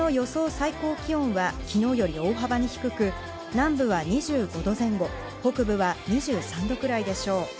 最高気温は昨日より大幅に低く、南部は２５度前後、北部は２３度くらいでしょう。